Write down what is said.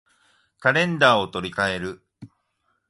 カレンダーを取り換える